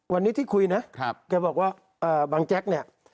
วันนี้ที่คุยนะแกบอกว่าบังแจ๊กเนี่ย